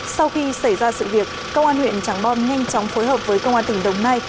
sau khi xảy ra sự việc công an huyện tràng bom nhanh chóng phối hợp với công an tỉnh đồng nai